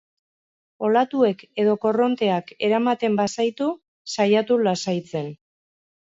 Olatuek edo korronteak eramaten bazaitu, saiatu lasaitzen.